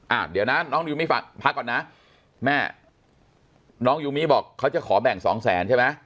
อ่ะเดี๋ยวนะน้องยูมิฝากพักก่อนนะแม่น้องยูมี่บอกเขาจะขอแบ่งสองแสนใช่ไหม